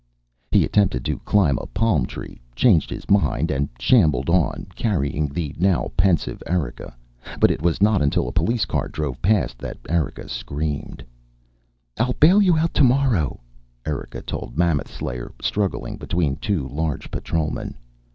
He attempted to climb a palm tree, changed his mind, and shambled on, carrying the now pensive Erika. But it was not until a police car drove past that Erika screamed.... "I'll bail you out tomorrow," Erika told Mammoth Slayer, struggling between two large patrolmen.